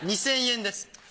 ２，０００円です。